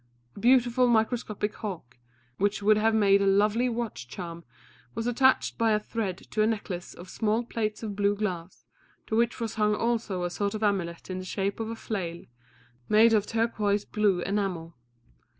A beautiful microscopic hawk, which would have made a lovely watch charm, was attached by a thread to a necklace of small plates of blue glass, to which was hung also a sort of amulet in the shape of a flail, made of turquoise blue enamel.